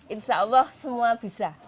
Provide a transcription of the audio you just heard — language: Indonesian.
insya allah semua bisa